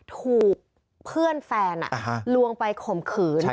ถูกเพื่อนแฟนลวงไปข่มขืน